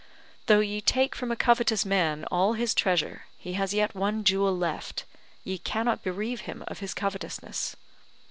Though ye take from a covetous man all his treasure, he has yet one jewel left, ye cannot bereave him of his covetousness.